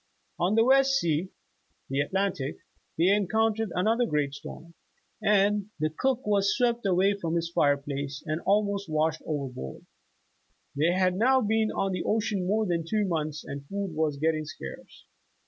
On the West Sea (the Atlantic) they encountered another great storm, and ''the cook was swept away from his fire place and almost washed overboard." 28 John Helffrich's Journal They had now been on the ocean more than two months and food was getting scarce.